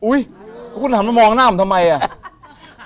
อุ๊ยคุณถามแล้วมองหน้าผมทำไมอ่ะ